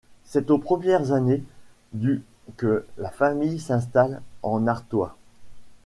C'est aux premières années du que la famille s'installe en Artois.